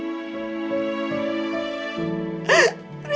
kamu salah paham